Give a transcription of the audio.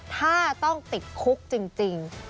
ถ้าต้องติดคุกจริง